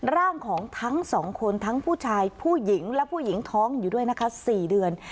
ร่างของทั้งสองคนทั้งผู้ชายผู้หญิงและผู้หญิงท้องอยู่ด้วยนะคะ๔เดือน